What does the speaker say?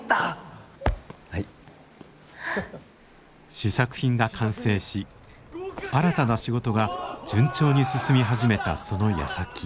試作品が完成し新たな仕事が順調に進み始めたそのやさき。